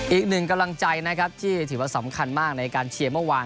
อีกหนึ่งกำลังใจนะครับที่ถือว่าสำคัญมากในการเชียร์เมื่อวาน